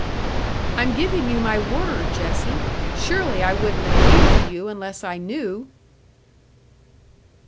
"I'm giving you my word, Jessie. Surely I wouldn't appeal to you unless I knew."